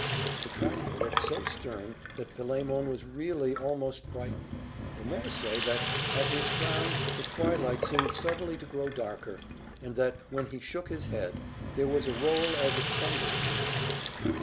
The traveller looked so stern that Philemon was really almost frightened; the more so, that, at his frown, the twilight seemed suddenly to grow darker, and that, when he shook his head, there was a roll as of thunder in the air.